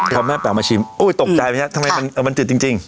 คุณแม่เป๋ามาชิมโอ้โฮตกใจไหมคะทำไมมันตื่นจริง